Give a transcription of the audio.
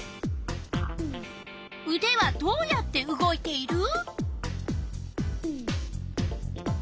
うではどうやって動いている？